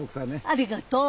ありがとう。